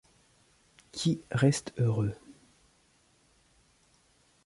Qui reste heureux.